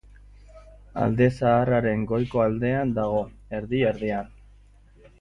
Alde Zaharraren goiko aldean dago, erdi-erdian.